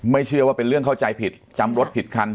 เชื่อว่าเป็นเรื่องเข้าใจผิดจำรถผิดคัน